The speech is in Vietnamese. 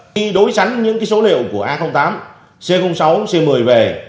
khi đối sánh những số liệu của a tám c sáu c một mươi về